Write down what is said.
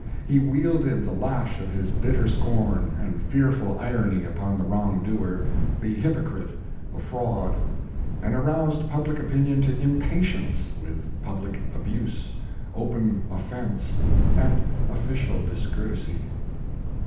He wielded the lash of his bitter scorn and fearful irony upon the wrong doer, the hypocrite, the fraud; and aroused public opinion to impatience with public abuse, open offence, and official discourtesy.